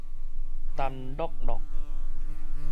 澹漉漉